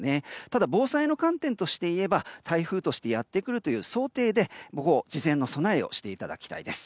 ただ、防災の観点としていえば台風としてやってくるという想定で、事前の備えをしていただきたいです。